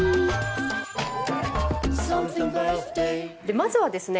まずはですね